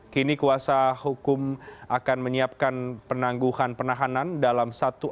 kini kuasa hukum akan menyiapkan penangguhan penahanan dalam satu hari